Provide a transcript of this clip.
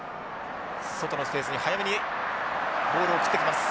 外のスペースに早めにボールを送ってきます。